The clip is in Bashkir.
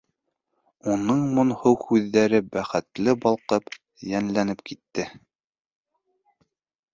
Уның моңһоу күҙҙәре бәхетле балҡып, йәнләнеп китте.